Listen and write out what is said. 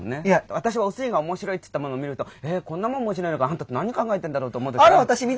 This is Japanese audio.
私はおすぎが面白いと言ったもの見るとこんなもん面白いのかあんたって何考えてんだろうと思う時ある。